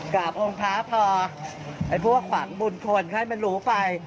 กับองค์พระพอไอ้พวกขวางบุญทนให้มันรู้ไป